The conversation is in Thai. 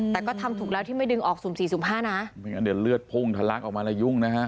แต่น่าเห็นไหมงันเลือดพุ่งทะลักออกมาแล้วยุ่งนะคะ